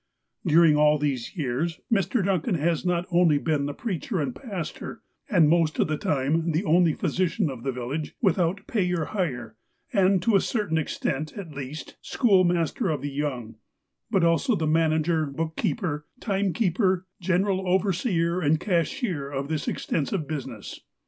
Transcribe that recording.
During all of these years Mr. Duncan has not only been the preacher and pastor, and, most of the time, the only physician of the village, without pay or hire, and, to a certain extent at least, schoolmaster of the young, but also the manager, bookkeeper, timekeeper, general overseer and cashier of this extensive business.